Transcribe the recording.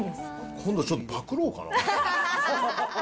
今度ちょっとパクろうかな。